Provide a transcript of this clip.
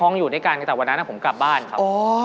ห้องอยู่ด้วยกันแต่วันนั้นผมกลับบ้านครับ